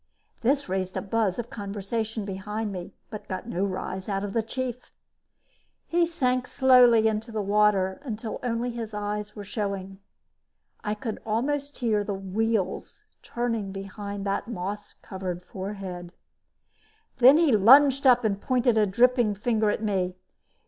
This raised a buzz of conversation behind me, but got no rise out of the chief. He sank slowly into the water until only his eyes were showing. I could almost hear the wheels turning behind that moss covered forehead. Then he lunged up and pointed a dripping finger at me.